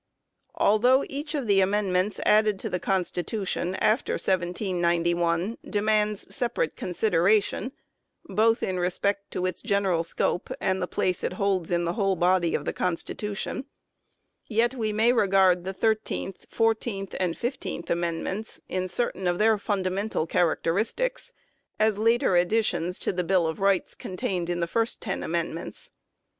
2 Although each of the Amendments added to the Constitution after 1791 demands separate consideration, both in respect to its general scope and the place it holds in the whole body of the Constitu tion, yet we may regard the Thirteenth, Fourteenth and Fifteenth Amendments, in certain of their funda mental characteristics, as later additions to the Bill of Rights contained in the first ten Amendments.